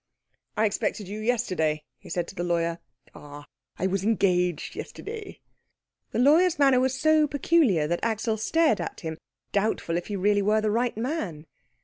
"I expected you yesterday," he said to the lawyer. "Ah I was engaged yesterday." The lawyer's manner was so peculiar that Axel stared at him, doubtful if he really were the right man.